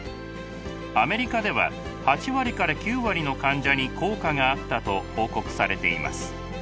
アメリカでは８割から９割の患者に効果があったと報告されています。